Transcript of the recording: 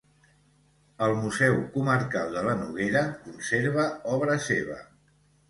El Museu Comarcal de la Noguera conserva obra seva.